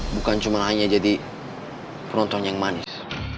bukan cuma hanya jadi penonton yang manis